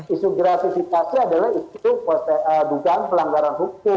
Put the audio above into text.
isu gratifikasi adalah itu dukaan pelanggaran hukum